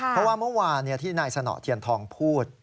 เพราะว่าเมื่อวานที่นายสนเทียนทองพูด